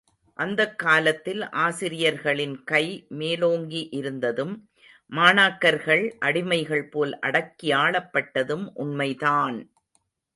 அந்தக் காலத்தில், ஆசிரியர்களின் கை மேலோங்கியிருந்ததும், மாணாக்கர்கள் அடிமைகள்போல் அடக்கியாளப்பட்டதும் உண்மைதான்!